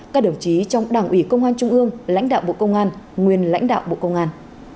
các đồng chí trong đảng ủy công an trung ương lãnh đạo bộ công an nguyên lãnh đạo bộ công an